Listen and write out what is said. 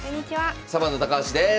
サバンナ高橋です。